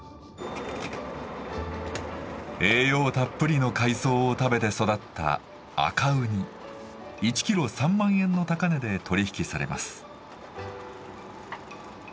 栄養たっぷりの海藻を食べて育った１キロ３万円の高値で取り引きされます。